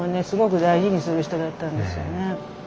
すごく大事にする人だったんですよね。